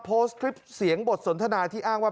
โพสต์คลิปเสียงบทสนทนาที่อ้างว่า